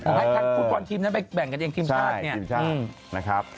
ให้ทักผู้ปอนด์ทีมนั้นไปแบ่งกันเองทีมชาติเนี่ยใช่ทีมชาตินะครับ